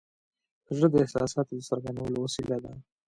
زړه د احساساتو د څرګندولو وسیله ده.